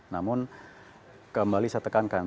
namun kembali saya tekankan